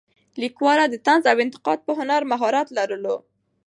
لیکواله د طنز او انتقاد په هنر مهارت لرلو.